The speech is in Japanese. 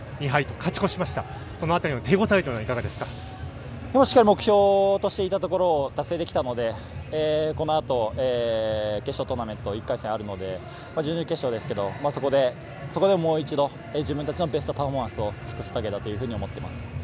勝ち越ししっかり目標としていたところを達成できたので、この後、決勝トーナメント１回戦あるので準々決勝ですけど、そこでもう一度自分たちのベストパフォーマンスをするだけだと思っています。